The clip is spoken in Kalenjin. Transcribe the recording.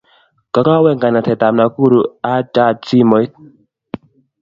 Kakawe nganaset ab Nakuru acha simoit